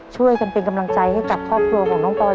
ช่วยกันเป็นกำลังใจให้กับครอบครัวของน้องปอย